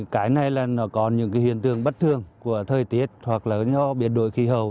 cái này là nó còn những cái hiện tượng bất thường của thời tiết hoặc là nó biệt đổi khí hầu